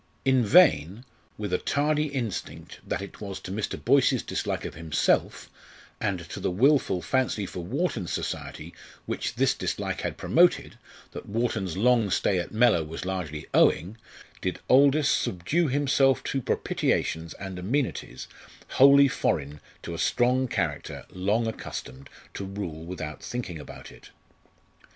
In vain with a tardy instinct that it was to Mr. Boyce's dislike of himself, and to the wilful fancy for Wharton's society which this dislike had promoted, that Wharton's long stay at Mellor was largely owing did Aldous subdue himself to propitiations and amenities wholly foreign to a strong character long accustomed to rule without thinking about it.